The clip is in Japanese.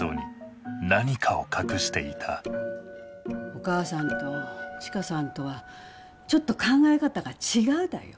お母さんと千佳さんとはちょっと考え方が違うだよ。